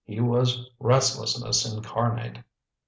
He was restlessness incarnate.